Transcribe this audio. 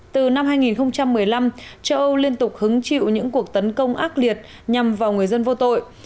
từ năm hai nghìn một mươi năm châu âu liên tục hứng chịu những cuộc tấn công ác liệt nhằm vào người dân vô tội